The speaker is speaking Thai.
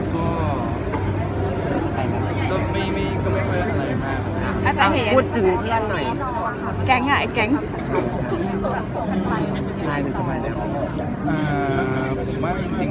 แก๊งไงไอ้แก๊ง